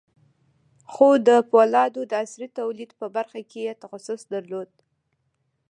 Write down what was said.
خو د پولادو د عصري تولید په برخه کې یې تخصص درلود